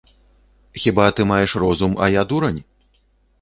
Хіба ты маеш розум, а я дурань?